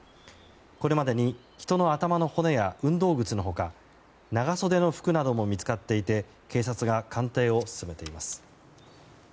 これまでに人の頭の骨や運動靴の他長袖の服なども見つかっていて警察が鑑定を進めています。